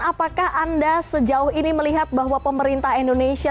apakah anda sejauh ini melihat bahwa pemerintah indonesia